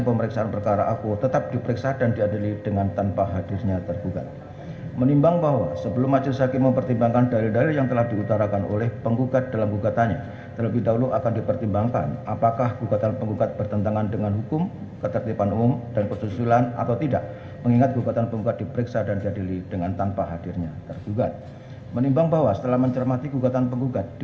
pertama penggugat akan menerjakan waktu yang cukup untuk menerjakan si anak anak tersebut yang telah menjadi ilustrasi di mana kepentingan si anak anak tersebut yang telah menjadi ilustrasi